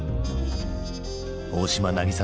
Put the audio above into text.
大島渚